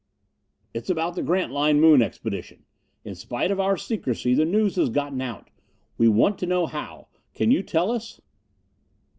"It's about the Grantline Moon Expedition. In spite of our secrecy, the news has gotten out. We want to know how. Can you tell us?"